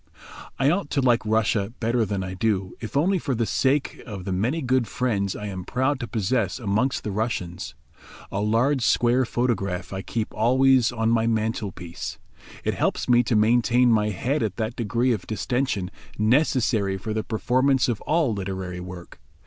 I OUGHT to like Russia better than I do, if only for the sake of the many good friends I am proud to possess amongst the Russians. A large square photograph I keep always on my mantel piece; it helps me to maintain my head at that degree of distention necessary for the performance of all literary work.